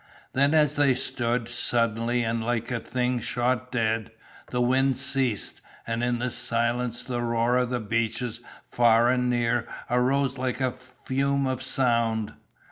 Then as they stood, suddenly and like a thing shot dead, the wind ceased, and in the silence the roar of the beaches far and near arose like a fume of sound.